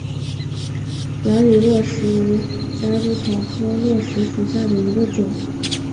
兰屿络石为夹竹桃科络石属下的一个种。